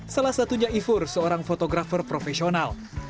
salah satunya ifur seorang fotografer profesional